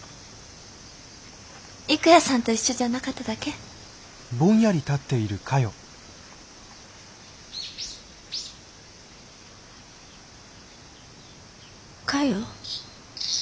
郁弥さんと一緒じゃなかっただけ？かよ？